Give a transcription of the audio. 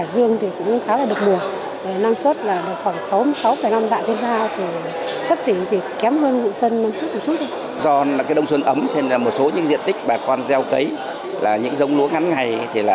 đông xuân ấm một số diện tích bà con gieo cấy những dông lúa ngắn ngày